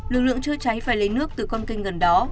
lực lượng chữa cháy phải lấy nước từ con kênh gần đó